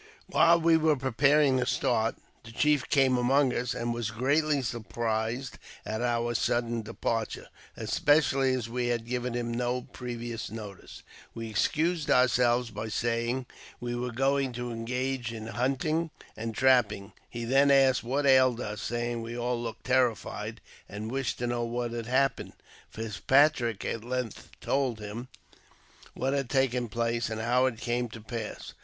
While we were preparing to start, the chief came among us, and was greatly surprised at our sudden departure, especially as we had given him no previous notice. We excused ourselves by saying JAMES P. BECKWOUBTH. 97 we were going to engage in hunting and trapping. He then asked what ailed us, saying we all looked terrified, and wished to know what had happened. Fitzpatrick at length told him what had taken place, and how it came to pass.